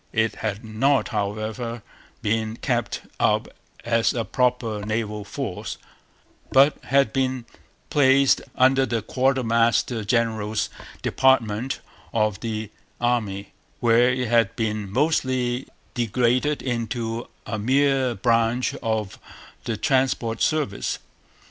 It had not, however, been kept up as a proper naval force, but had been placed under the quartermaster general's department of the Army, where it had been mostly degraded into a mere branch of the transport service.